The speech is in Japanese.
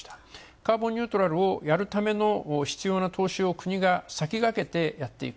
カーボンニュートラルをやるための必要な投資を国が先駆けてやっていく。